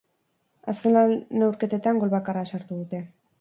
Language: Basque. Azken lau neurketetan gol bakarra sartu dute.